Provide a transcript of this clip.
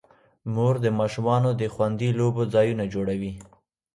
مور د ماشومانو د خوندي لوبو ځایونه جوړوي.